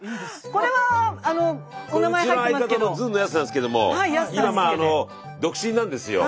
これうちの相方のずんのやすなんですけども今独身なんですよ。